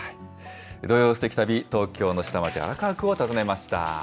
土曜すてき旅、東京の下町、荒川区を訪ねました。